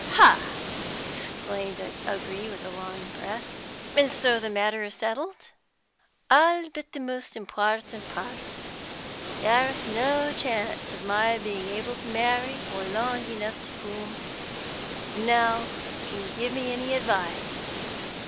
"Ha!" exclaimed O'Gree, with a long breath. "And so the matter is settled?" "All but the most important part of it. There's no chance of my being able to marry for long enough to come. Now, can you give me any advice?